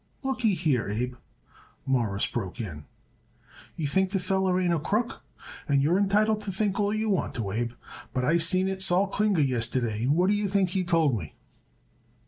"Looky here, Abe," Morris broke in, "you think the feller ain't a crook, and you're entitled to think all you want to, Abe, but I seen it Sol Klinger yesterday, and what d'ye think he told me?"